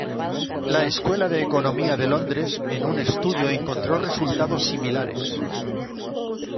La Escuela de Economía de Londres en un estudio encontró resultados similares.